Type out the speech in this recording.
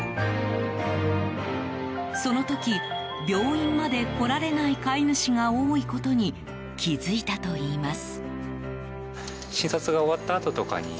その時病院まで来られない飼い主が多いことに気付いたといいます。